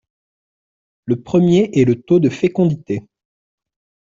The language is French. Le premier est le taux de fécondité.